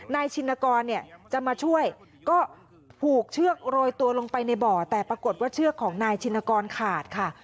ชินกรเนี่ยจะมาช่วยก็ผูกเชือกโรยตัวลงไปในบ่อแต่ปรากฏว่าเชือกของนายชินกรขาดค่ะ